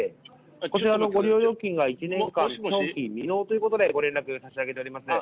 こちらのご利用料金が１年間、長期未納ということでご連絡差し上げております。